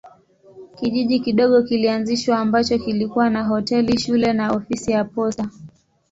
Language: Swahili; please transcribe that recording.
Kijiji kidogo kilianzishwa ambacho kilikuwa na hoteli, shule na ofisi ya posta.